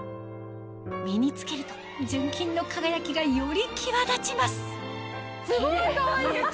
身に着けると純金の輝きがより際立ちますすごいかわいい！